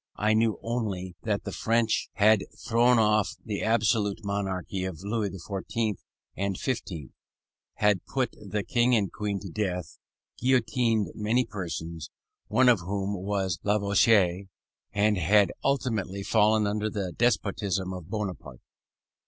I knew only that the French had thrown off the absolute monarchy of Louis XIV. and XV., had put the King and Queen to death, guillotined many persons, one of whom was Lavoisier, and had ultimately fallen under the despotism of Bonaparte.